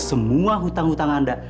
semua hutang hutang anda